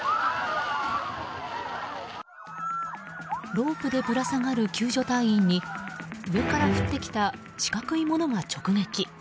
ロープでぶら下がる救助隊員に上から降ってきた四角いものが直撃。